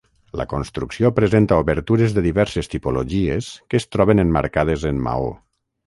La construcció presenta obertures de diverses tipologies que es troben emmarcades en maó.